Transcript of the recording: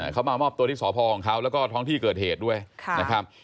เขามามอบตัวที่สพของเขาแล้วก็ท้องที่เกิดเหตุด้วยนะครับ